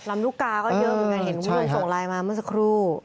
ลำลูกกาก็เยอะเหมือนกันเห็นคุณผู้ชมส่งไลน์มาเมื่อสักครู่